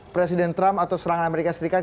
presiden trump atau serangan amerika serikat